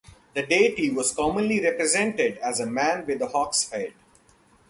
The deity was commonly represented as a man with a hawk's head.